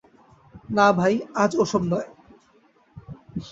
না ভাই, আজ ও-সব নয়!